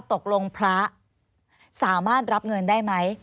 ตกลงพระสามารถรับเงินได้ไหม